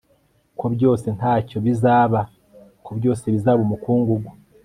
ko byose ntacyo bizaba, ko byose bizaba umukungugu